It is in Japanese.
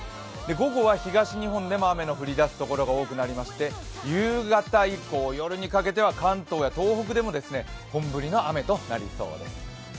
午後は東日本でも雨の降り出す所が多くなりまして夕方以降、夜にかけては関東や東北でも本降りの雨となりそうです。